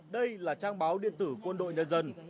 đây là trang báo điện tử quân đội nhân dân